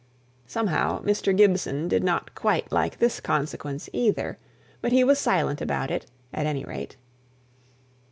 Somehow, Mr. Gibson did not quite like this consequence either; but he was silent about it, at any rate.